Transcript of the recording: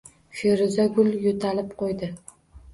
Feruza gul yo‘talib qo‘ydi.